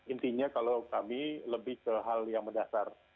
intinya kalau kami lebih ke hal yang mendasar